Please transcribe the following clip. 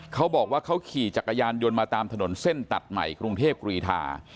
เขาบอกว่าเขาขี่จักรยานยนต์มาตามถนนเส้นตัดใหม่กรุงเทพกรีธา